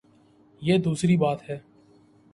یہ دوسری بات ہے۔